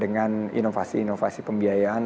dengan inovasi inovasi pembiayaan